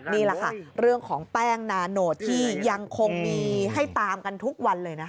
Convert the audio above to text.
นี่แหละค่ะเรื่องของแป้งนาโนตที่ยังคงมีให้ตามกันทุกวันเลยนะคะ